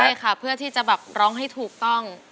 ใช่ค่ะเพื่อที่จะแบบร้องให้ถูกต้อง